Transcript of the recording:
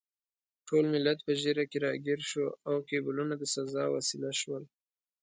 ټول ملت په ږیره کې راګیر شو او کیبلونه د سزا وسیله شول.